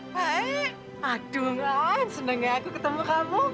baik aduh nen seneng gak aku ketemu kamu